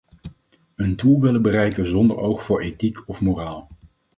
Een doel willen bereiken zonder oog voor ethiek of moraal.